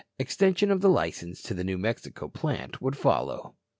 Extension of the license to the New Mexico plant would follow.